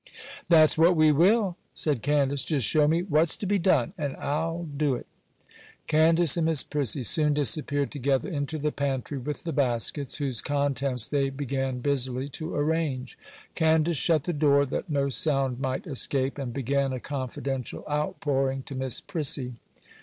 'That's what we will,' said Candace. 'Just show me what's to be done, and I'll do it.' Candace and Miss Prissy soon disappeared together into the pantry with the baskets, whose contents they began busily to arrange. Candace shut the door that no sound might escape, and began a confidential outpouring to Miss Prissy.